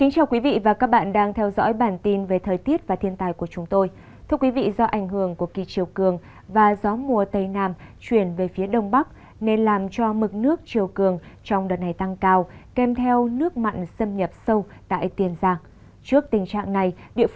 các bạn hãy đăng ký kênh để ủng hộ kênh của chúng tôi nhé